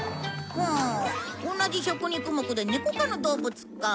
ほう同じ食肉目でネコ科の動物か。